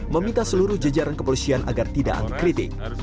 meminta seluruh jajaran kepolisian agar tidak antikritik